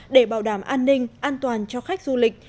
để bảo đảm an ninh an toàn cho khách du lịch